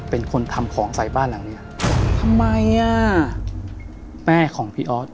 เป็นคนทำของใส่บ้านหลังเนี้ยทำไมอ่ะแม่ของพี่ออส